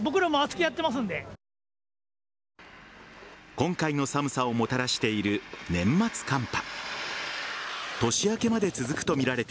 今回の寒さをもたらしている年末寒波。